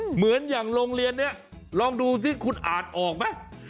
เหมือนอย่างโรงเรียนนี้ลองดูสิคุณอ่านออกไหม